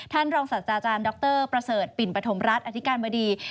รองศาสตราจารย์ดรประเสริฐปิ่นปฐมรัฐอธิการบดี